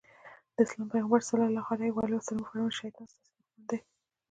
د اسلام پيغمبر ص وفرمايل شيطان ستاسې دښمن دی.